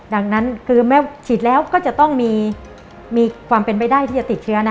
ดังนั้นก็จะต้องมีความเป็นไปได้ที่จะติดเชื้อ